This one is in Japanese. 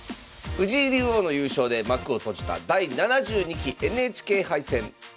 藤井竜王の優勝で幕を閉じた第７２期ＮＨＫ杯戦。